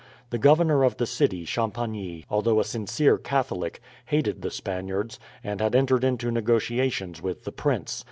The governor of the city, Champagny, although a sincere Catholic, hated the Spaniards, and had entered into negotiations with the prince.